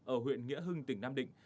ở huyện nghĩa hưng tỉnh nam định